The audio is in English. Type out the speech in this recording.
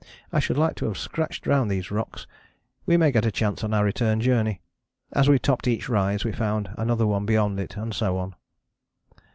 I should like to have scratched round these rocks: we may get a chance on our return journey. As we topped each rise we found another one beyond it, and so on.